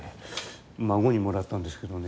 孫にもらったんですけどね。